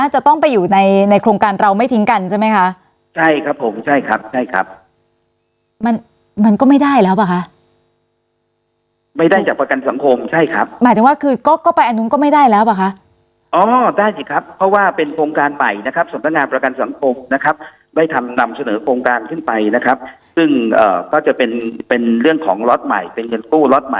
จะต้องไปอยู่ในในโครงการเราไม่ทิ้งกันใช่ไหมคะใช่ครับผมใช่ครับใช่ครับมันมันก็ไม่ได้แล้วป่ะคะไม่ได้จากประกันสังคมใช่ครับหมายถึงว่าคือก็ก็ไปอันนู้นก็ไม่ได้แล้วป่ะคะอ๋อได้สิครับเพราะว่าเป็นโครงการใหม่นะครับสำนักงานประกันสังคมนะครับได้ทำนำเสนอโครงการขึ้นไปนะครับซึ่งเอ่อก็จะเป็นเป็นเรื่องของล็อตใหม่เป็นเงินกู้ล็อ